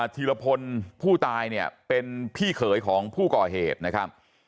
ธีรพลผู้ตายเนี่ยเป็นพี่เขยของผู้ก่อเหตุนะครับ